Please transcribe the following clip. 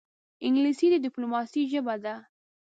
انګلیسي د ډیپلوماسې ژبه ده